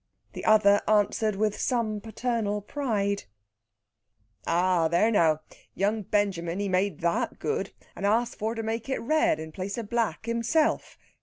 The other answered with some paternal pride: "Ah, there now! Young Benjamin, he made that good, and asked for to make it red in place of black himself!